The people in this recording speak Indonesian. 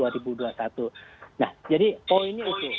nah jadi poinnya itu